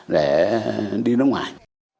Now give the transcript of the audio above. để đi nước ngoài